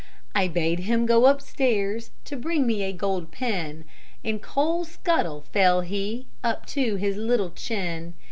I bade him go upstairs To bring me a gold pin; In coal scuttle fell he, Up to his little chin.